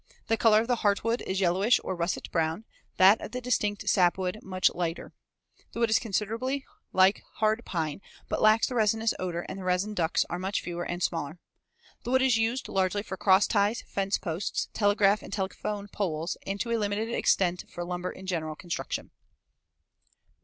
The color of the heartwood is yellowish or russet brown; that of the distinct sapwood much lighter. The wood is considerably like hard pine, but lacks the resinous odor and the resin ducts are much fewer and smaller. The wood is used largely for cross ties, fence posts, telegraph and telephone poles, and to a limited extent for lumber in general construction.